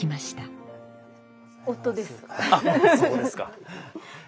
あそうですか。